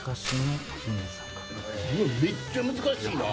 めっちゃ難しいな！